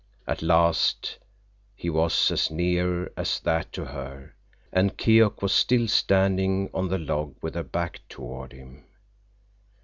At last he was as near as that to her, and Keok was still standing on the log with her back toward him.